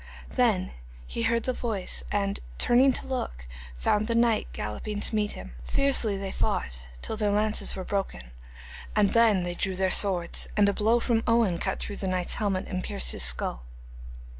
Then he heard the voice, and turning to look found the knight galloping to meet him. Fiercely they fought till their lances were broken, and then they drew their swords, and a blow from Owen cut through the knight's helmet, and pierced his skull.